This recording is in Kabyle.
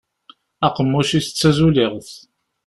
Aqemmuc-is d tazuliɣt.